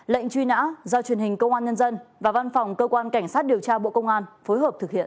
lệnh truy nã do truyền hình công an nhân dân và văn phòng cơ quan cảnh sát điều tra bộ công an phối hợp thực hiện